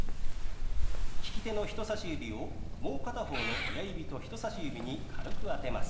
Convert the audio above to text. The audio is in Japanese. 利き手の人さし指をもう片方の親指と人さし指に軽く当てます。